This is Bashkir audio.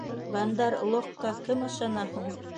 Бандар-логҡа кем ышана һуң?